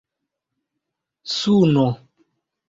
suno